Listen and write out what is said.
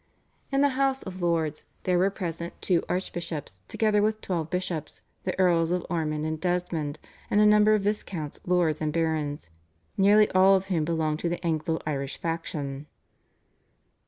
In the House of Lords there were present two archbishops together with twelve bishops, the Earls of Ormond and Desmond, and a number of viscounts, lords and barons, nearly all of whom belonged to the Anglo Irish faction.